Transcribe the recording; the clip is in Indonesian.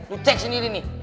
lu cek sendiri nih